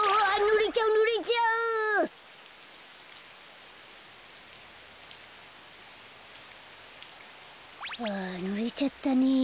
ふうぬれちゃったね。